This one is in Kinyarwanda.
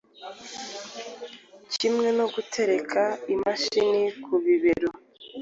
kimwe no gutereka imashini ku bibero